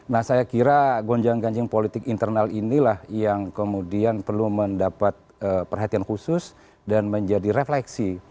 nah saya kira gonjang ganjing politik internal inilah yang kemudian perlu mendapat perhatian khusus dan menjadi refleksi